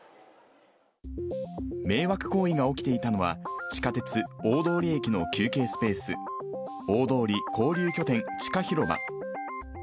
迷惑行為が起きていたのは、地下鉄大通駅の休憩スペース、大通交流拠点地下広場。